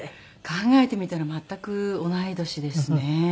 考えてみたら全く同い年ですね。